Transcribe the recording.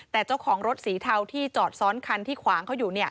แต่เจ้าของรถสีเทาที่จอดซ้อนคันที่ขวางเขาอยู่